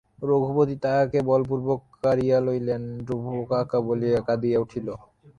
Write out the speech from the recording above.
রঘুপতি তাহাকে বলপূর্বক কড়িয়া লইলেন ধ্রুব কাকা বলিয়া কাঁদিয়া উঠিল।